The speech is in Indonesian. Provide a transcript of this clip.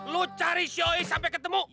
lu cari si ois sampe ketemu